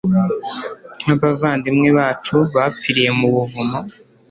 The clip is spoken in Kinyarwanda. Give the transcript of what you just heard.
nk'abavandimwe bacu bapfiriye mu buvumo